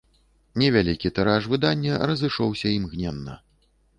Невялікі тыраж выдання разышоўся імгненна.